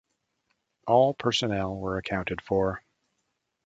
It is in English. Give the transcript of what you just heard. All personnel were accounted for.